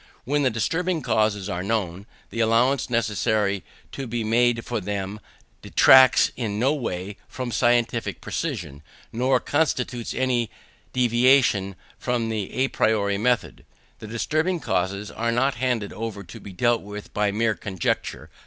When the disturbing causes are known, the allowance necessary to be made for them detracts in no way from scientific precision, nor constitutes any deviation from the à priori method. The disturbing causes are not handed over to be dealt with by mere conjecture.